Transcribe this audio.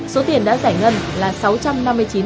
số tiền đã giải ngân là sáu trăm năm mươi chín sáu